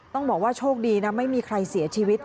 ต้องบอกว่าโชคดีนะไม่มีใครเสียชีวิต